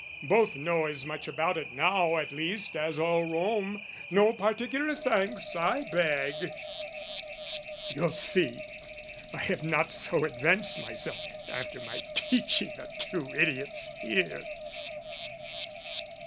Both know as much about it, now, at least, As all Rome: no particular thanks, I beg! (You'll see, I have not so advanced myself, After my teaching the two idiots here!)